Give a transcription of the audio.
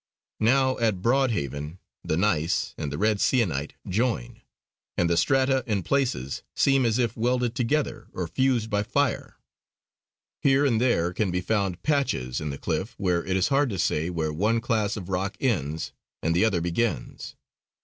Now at Broad Haven the gneiss and the red sienite join, and the strata in places seem as if welded together or fused by fire. Here and there can be found patches in the cliff where it is hard to say where one class of rock ends and the other begins.